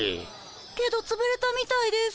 けどつぶれたみたいです。